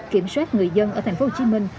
kiểm soát người dân ở thành phố hồ chí minh